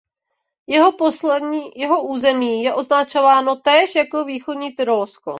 Jeho území je označováno též jako Východní Tyrolsko.